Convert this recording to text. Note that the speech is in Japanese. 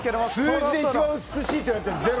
数字で一番美しいといわれているゼロ。